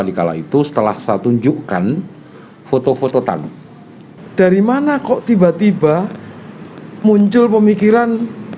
di kala itu setelah saya tunjukkan foto foto tadi dari mana kok tiba tiba muncul pemikiran